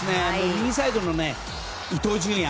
右サイドの伊東純也